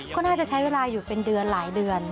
ก็น่าจะใช้เวลาอยู่เป็นเดือนหลายเดือน